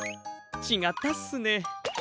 ちがったっすね。